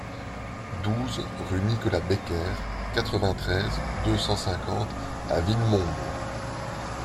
douze rue Nicolas Becker, quatre-vingt-treize, deux cent cinquante à Villemomble